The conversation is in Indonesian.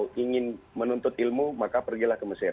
kalau ingin menuntut ilmu maka pergilah ke mesir